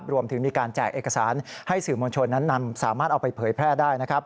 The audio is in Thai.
รวมถึงมีการแจกเอกสารให้สื่อมวลชนนั้นนำสามารถเอาไปเผยแพร่ได้นะครับ